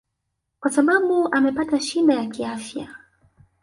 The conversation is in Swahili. kwa sababu amepata shida ya kiafya